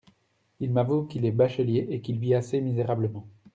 Il m'avoue qu'il est bachelier et qu'il vit assez misérablement.